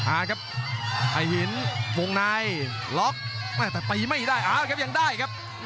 อ่าครับไอ้หินวงในล็อกแต่ตีไม่ได้เอาครับยังได้ครับ